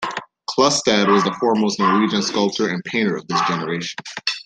Klukstad was the foremost Norwegian sculptor and painter of his generation.